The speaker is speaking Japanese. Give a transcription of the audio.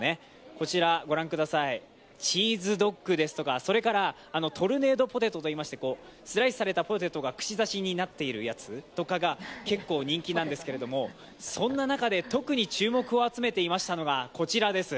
こちら、ご覧ください、チーズドッグですとか、トルネードポテトといいましてスライスされたポテトが串刺しになっているやつとかが結構人気なんですけれども、そんな中で特に注目を集めていたのがこちらです。